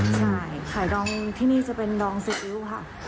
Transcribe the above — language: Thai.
ขายดองที่นี่จะเป็นดองซีซิว